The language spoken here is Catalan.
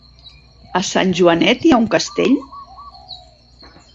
A Sant Joanet hi ha un castell?